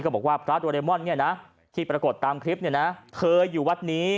บอกว่าพระโดเรมอนเนี่ยนะที่ปรากฏตามคลิปเนี่ยนะเธออยู่วัดนี้